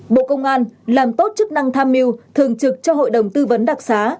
bộ công an làm tốt chức năng tham mưu thường trực cho hội đồng tư vấn đặc xá